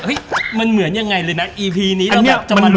เฮ้ยมันเหมือนยังไงเลยนะอีพีนี้